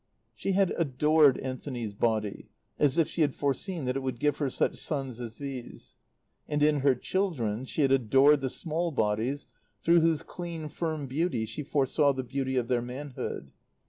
She had adored Anthony's body, as if she had foreseen that it would give her such sons as these; and in her children she had adored the small bodies through whose clean, firm beauty she foresaw the beauty of their manhood.